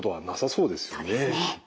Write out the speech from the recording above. そうですね。